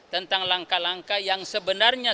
tentang langkah langkah yang sebenarnya